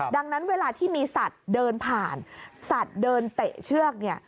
ดังนั้นเวลาที่มีสัตว์เดินผ่านสัตว์เดินเตะเชือกเนี่ย